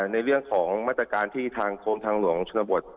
ในเรื่องของมาตรการที่ทางกรมทางหลวงชนบท